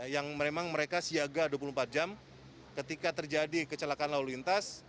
yang memang mereka siaga dua puluh empat jam ketika terjadi kecelakaan lalu lintas